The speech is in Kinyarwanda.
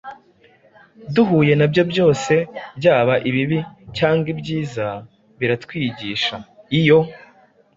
duhuye na byo byose, byaba ibibi cyangwa ibyiza biratwigisha. Ni yo